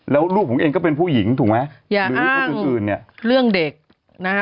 แล้วลูกของเองก็เป็นผู้หญิงถูกไหมอย่าอ้างเรื่องเด็กนะฮะ